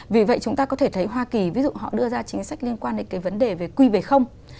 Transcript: vì vậy chúng ta có thể thấy hoa kỳ ví dụ họ đưa ra chính sách liên quan đến cái vấn đề về q về không